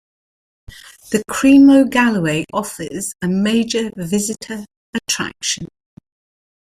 The Cream o' Galloway offers a major visitor attraction.